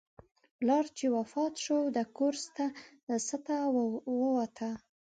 پلار چې وفات شو، د کور سټه ووته.